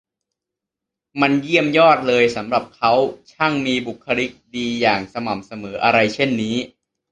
มันเยี่ยมยอดเลยสำหรับเขา ช่างมีบุคคลิกดีอย่างสม่ำเสมออะไรเช่นนี้